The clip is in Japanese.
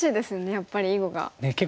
やっぱり囲碁があると。